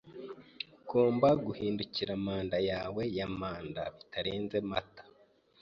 Ugomba guhindukira manda yawe ya manda bitarenze Mata.